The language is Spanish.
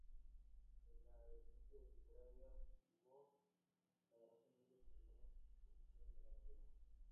En la vertiente literaria, cultivó la narración breve con alguna incursión en la novela.